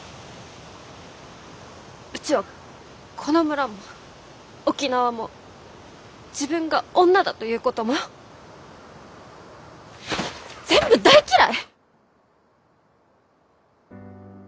うちはこの村も沖縄も自分が女だということも全部大嫌い！